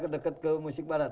dekat ke musik barat